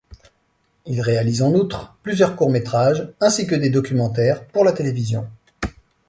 Il réalise en outre plusieurs courts métrages ainsi que des documentaires pour la télévision.